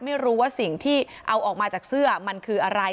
ไม่รู้ว่าสิ่งที่เอาออกมาจากเสื้อมันคืออะไร